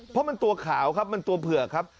เพราะมันตัวขาวครับมันตัวเผือกครับ